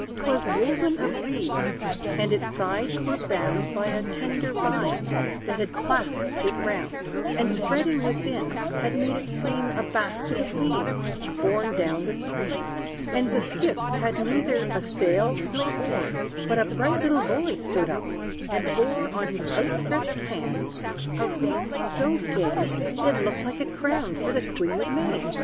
'Twas woven of reeds, and its sides were bound By a tender vine, that had clasped it round; And spreading within, had made it seem A basket of leaves, borne down the stream. And the skiff had neither a sail nor oar; But a bright little boy stood up, and bore, On his outstretched hands, a wreath so gay, It looked like a crown for the Queen of May.